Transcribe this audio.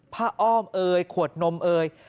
อ้อมเอยขวดนมเอย